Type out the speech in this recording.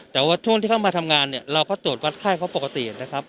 แต่ว่าช่วงที่เข้ามาทำงานเนี่ยเราก็ตรวจวัดไข้เขาปกตินะครับ